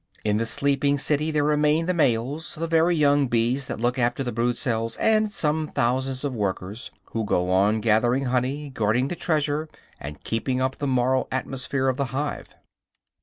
In the sleeping city there remain the males, the very young bees that look after the brood cells, and some thousands of workers who go on gathering honey, guarding the treasure, and keeping up the moral atmosphere of the hive.